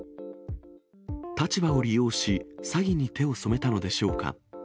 立場を利用し、詐欺に手を染めたのでしょうか。